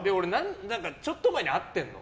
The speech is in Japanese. ちょっと前に会ってるの。